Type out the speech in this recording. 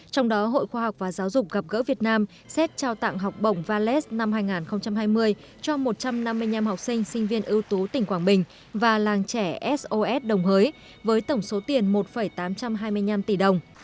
trong đó hội khoa học và giáo dục gặp gỡ việt nam xét trao tặng học bổng valet năm hai nghìn hai mươi cho một trăm năm mươi năm học sinh sinh viên ưu tú tỉnh quảng bình và làng trẻ sos đồng hới với tổng số tiền một tám trăm hai mươi năm tỷ đồng